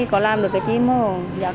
có làm được cái chi mà không